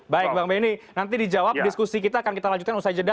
baik bang benny nanti dijawab diskusi kita akan kita lanjutkan usai jeda